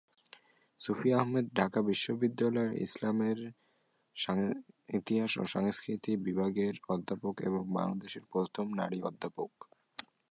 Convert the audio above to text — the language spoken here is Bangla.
সুফিয়া আহমেদ ঢাকা বিশ্ববিদ্যালয়ের ইসলামের ইতিহাস ও সংস্কৃতি বিভাগের অধ্যাপক এবং বাংলাদেশের প্রথম নারী জাতীয় অধ্যাপক।